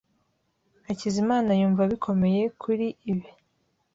Hakizimana yumva bikomeye kuri ibi.